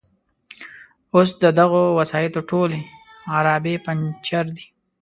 اوس د دغو وسایطو ټولې عرابې پنجر دي.